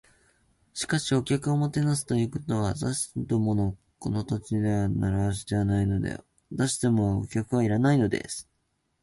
「しかし、お客をもてなすということは、私どものこの土地では慣わしではないので。私どもはお客はいらないのです」